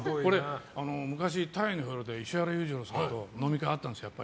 昔、「太陽にほえろ！」で石原裕次郎さんと飲み会があったんですよ。